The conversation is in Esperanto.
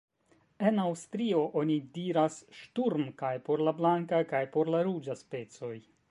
En Aŭstrio oni diras Sturm kaj por la blanka kaj por la ruĝa specoj.